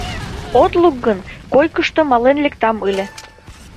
— От лук гын, койкышто мален лектам ыле.